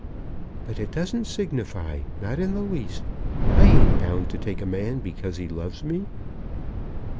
"But it doesn't signify, not the least. I ain't bound to take a man because he loves me."